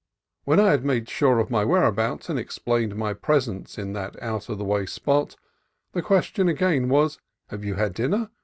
When I had made sure of my whereabouts and explained my presence in that out of the way spot, the question again was, "Have you had dinner?